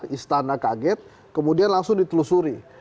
istana kaget kemudian langsung ditelusuri